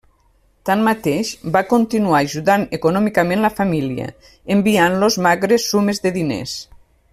Tanmateix, va continuar ajudant econòmicament la família enviant-los magres sumes de diners.